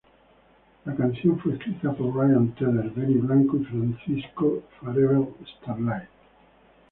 La canción fue escrita por Ryan Tedder, Benny Blanco y Francis Farewell Starlite.